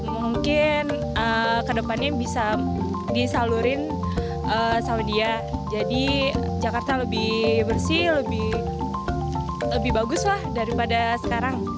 mungkin kedepannya bisa disalurin sama dia jadi jakarta lebih bersih lebih bagus lah daripada sekarang